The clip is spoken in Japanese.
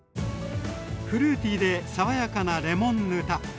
フルーティーで爽やかなレモンぬた。